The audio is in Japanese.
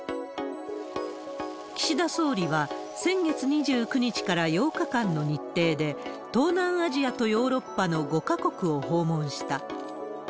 岸田総理は先月２９日から８日間の日程で、東南アジアとヨーロッパの５か国を訪問した。